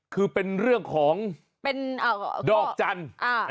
คือเป็นเรื่องของเป็นดอกจันทร์